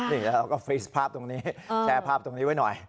นี่แล้วเราก็ฟรีสภาพตรงนี้แชร์ภาพตรงนี้ไว้หน่อย